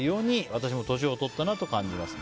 私も年を取ったなと感じます。